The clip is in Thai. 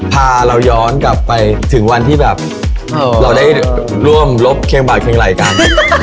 พาเราย้อนกลับไปถึงวันที่เราก็ได้ร่วมรบเครงบ่าเกรงรายการ